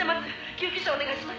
救急車お願いします」